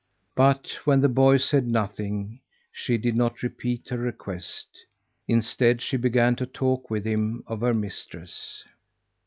But when the boy said nothing, she did not repeat her request. Instead, she began to talk with him of her mistress.